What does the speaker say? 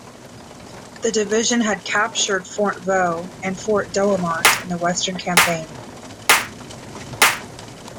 The division had captured Fort Vaux and Fort Douaumont in the Western Campaign.